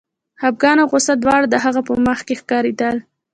خپګان او غوسه دواړه د هغه په مخ کې ښکارېدل